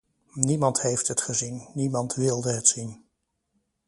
Niemand heeft het gezien, niemand wilde het zien.